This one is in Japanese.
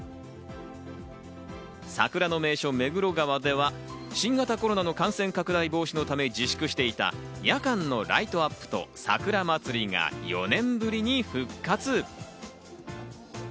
桜の名所、目黒川では新型コロナの感染拡大防止のため自粛していた夜間のライトアップと桜まつりが４年ぶりに復活。